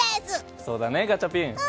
そうだね、ガチャピン。